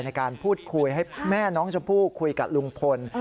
ในการพูดคุยให้แม่น้องชมพู่คุยกับลุงพล